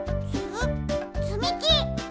つみき！